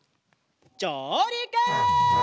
じょうりく！